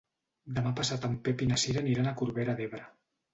Demà passat en Pep i na Cira aniran a Corbera d'Ebre.